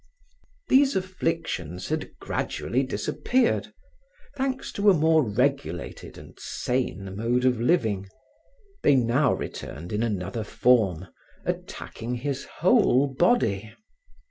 These afflictions had gradually disappeared, thanks to a more regulated and sane mode of living. They now returned in another form, attacking his whole body.